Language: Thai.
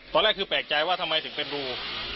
ตอนแรกคือแปลกใจว่าทำไมถึงเป็นรู